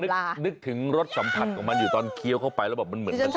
นึกถึงรสสัมผัสของมันอยู่ตอนเคี้ยวเข้าไปแล้วแบบมันเหมือนมันจะ